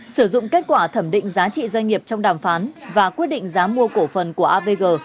sử dụng kết quả thẩm định giá trị doanh nghiệp trong đàm phán và quyết định giá mua cổ phần của avg